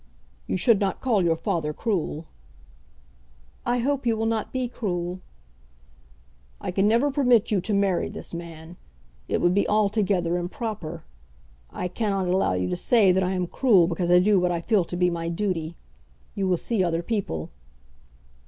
"You should not call your father cruel." "I hope you will not be cruel." "I can never permit you to marry this man. It would be altogether improper. I cannot allow you to say that I am cruel because I do what I feel to be my duty. You will see other people."